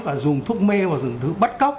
và dùng thuốc mê hoặc dùng thứ bắt cóc